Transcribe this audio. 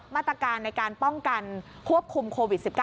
มาตรการในการป้องกันควบคุมโควิด๑๙